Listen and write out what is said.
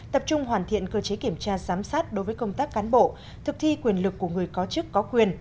tập trung hoàn thiện cơ chế kiểm tra giám sát đối với công tác cán bộ thực thi quyền lực của người có chức có quyền